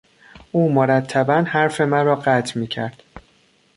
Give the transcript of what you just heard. او مرتبا حرف مرا قطع میکرد.